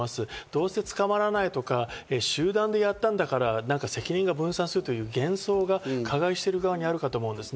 どうせ捕まらないとか、集団でやったんだから責任が分散するという幻想が加害者側にあるんじゃないかと思います。